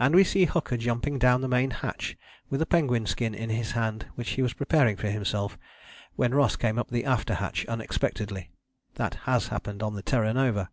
And we see Hooker jumping down the main hatch with a penguin skin in his hand which he was preparing for himself, when Ross came up the after hatch unexpectedly. That has happened on the Terra Nova!